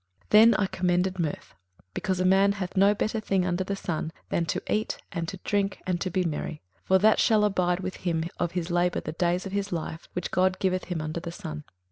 21:008:015 Then I commended mirth, because a man hath no better thing under the sun, than to eat, and to drink, and to be merry: for that shall abide with him of his labour the days of his life, which God giveth him under the sun.